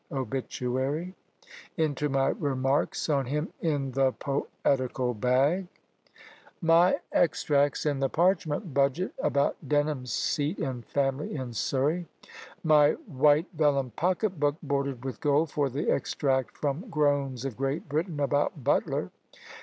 _ (obituary) into my remarks on him in the poetical bag? My extracts in the parchment budget about Denham's seat and family in Surrey. My white vellum pocket book, bordered with gold, for the extract from "Groans of Great Britain" about Butler.